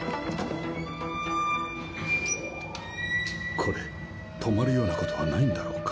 これ止まるようなことはないんだろうか？